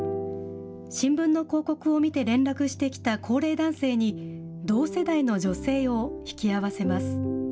新聞の広告を見て連絡してきた高齢男性に、同世代の女性を引き合わせます。